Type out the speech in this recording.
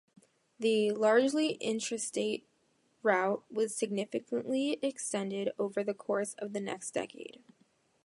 The largely intrastate route was significantly extended over the course of the next decade.